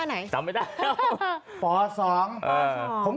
เกิดไม่ทันอ่ะ